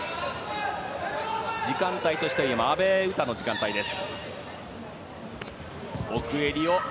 時間帯としては今、阿部詩の時間帯です。